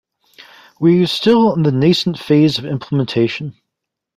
We are still in the nascent phase of implementation.